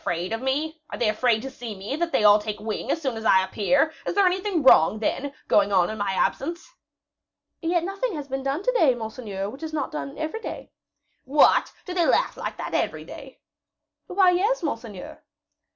Are they afraid to see me, that they all take wing as soon as I appear? Is there anything wrong, then, going on in my absence?" "Yet nothing has been done to day, monseigneur, which is not done every day." "What! do they laugh like that every day?" "Why, yes, monseigneur."